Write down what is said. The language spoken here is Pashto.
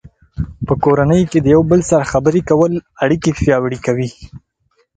په کورنۍ کې د یو بل سره خبرې کول اړیکې پیاوړې کوي.